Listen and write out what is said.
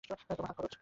তোমার হাত খরচ!